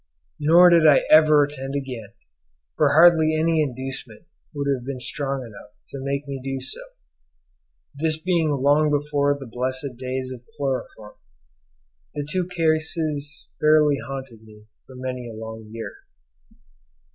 Nor did I ever attend again, for hardly any inducement would have been strong enough to make me do so; this being long before the blessed days of chloroform. The two cases fairly haunted me for many a long year.